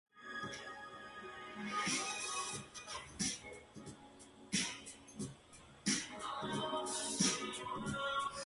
Chen offered to resign that position due to the disagreement over mayoral candidacy.